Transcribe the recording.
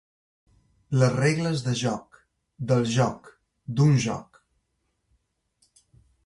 Les regles de joc, del joc, d'un joc.